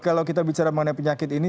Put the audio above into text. kalau kita bicara mengenai penyakit ini